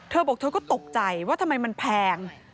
เธอบอกเธอก็ตกใจว่าทำไมมันแพง